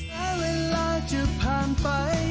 และเวลาจะผ่านไป